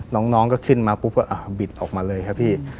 น้องก็ขึ้นมาปุ๊บก็บิดออกมาเลยครับพี่